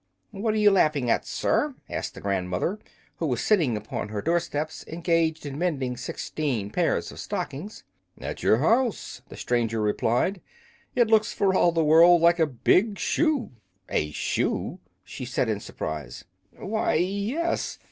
"What are you laughing at, sir?" asked the grandmother, who was sitting upon her door steps engaged in mending sixteen pairs of stockings. "At your house," the stranger replied; "it looks for all the world like a big shoe!" "A shoe!" she said, in surprise. "Why, yes.